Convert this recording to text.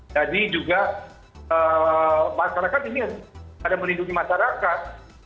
jadi juga masyarakat ini ada yang melindungi masyarakat